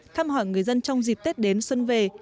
thăm hỏi người dân trong dịp tết đến xuân về